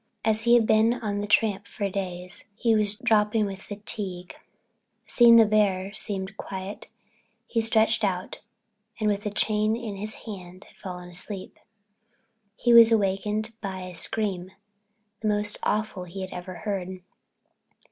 As he had been on the tramp for days he was dropping with fatigue and, seeing the bear seemed quiet, he stretched out and with the chain in his hand, had fallen asleep. He was wakened by a scream—the most awful he had ever heard.